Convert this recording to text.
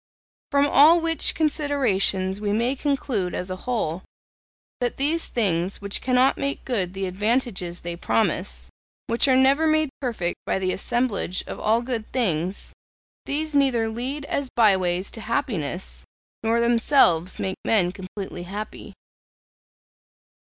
From all which considerations we may conclude as a whole, that these things which cannot make good the advantages they promise, which are never made perfect by the assemblage of all good things these neither lead as by ways to happiness, nor themselves make men completely happy.'